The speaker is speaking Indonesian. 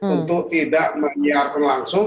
untuk tidak mengiarkan langsung